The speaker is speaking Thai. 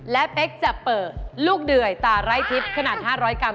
และเป๊กจะเปิดลูกเดื่อยตาไร้ทิพย์ขนาด๕๐๐กรัม